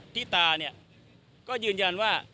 ทิตาก็ยืนยันว่า